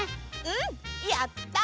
うんやった！